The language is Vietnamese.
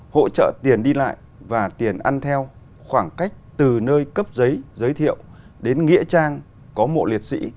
hỗ trợ tiền đi lại và tiền ăn theo khoảng cách từ nơi cấp giấy giới thiệu đến nghĩa trang có mộ liệt sĩ